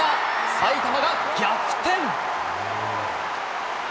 埼玉が逆転。